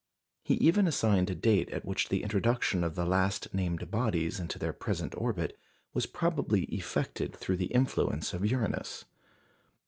He even assigned a date at which the introduction of the last named bodies into their present orbit was probably effected through the influence of Uranus.